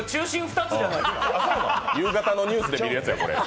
夕方のニュースで見るやつや、これ。